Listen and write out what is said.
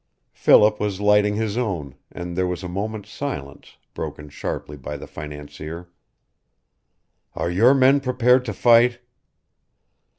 Philip was lighting his own, and there was a moment's silence, broken sharply by the financier. "Are your men prepared to fight?"